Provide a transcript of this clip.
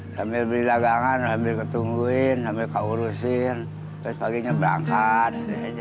sambil beli lagangan ambil ketungguin sampai kau urusin paginya berangkat